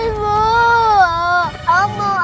ibu bangun bu